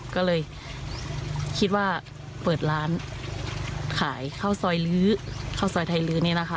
ก็เลยคิดว่าเปิดร้านขายข้าวซอยลื้อข้าวซอยไทยลื้อนี่แหละค่ะ